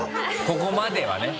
ここまではね。